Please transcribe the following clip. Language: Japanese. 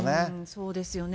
そうですよね。